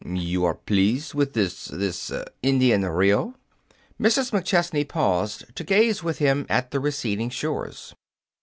"You are pleased with this this Indian Rio?" Mrs. McChesney paused to gaze with him at the receding shores.